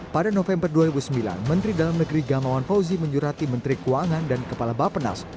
pada november dua ribu sembilan menteri dalam negeri gamawan fauzi menyurati menteri keuangan dan kepala bapenas